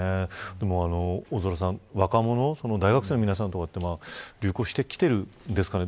大空さん若者、大学生の皆さんとか流行してきているんですかね。